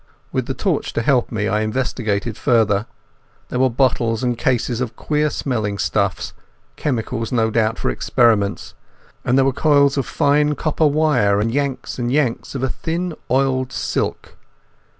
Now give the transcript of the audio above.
With the torch to help me I investigated further. There were bottles and cases of queer smelling stuffs, chemicals no doubt for experiments, and there were coils of fine copper wire and yanks and yanks of thin oiled silk.